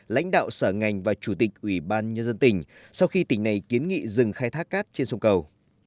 lãnh đạo sở ngành và chủ tịch ủy ban nhân dân tỉnh sau khi tỉnh này kiến nghị dừng khai thác cát trên sông cầu